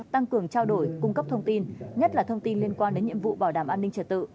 tăng cường trao đổi cung cấp thông tin nhất là thông tin liên quan đến nhiệm vụ bảo đảm an ninh trật tự